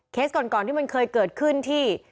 ก่อนที่มันเคยเกิดขึ้นที่